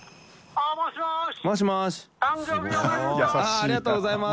ありがとうございます！